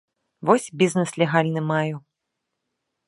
Вось бізнэс легальны маю.